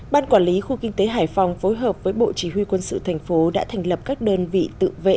ban quản lý khu kinh tế hải phòng phối hợp với bộ chỉ huy quân sự thành phố đã thành lập các đơn vị tự vệ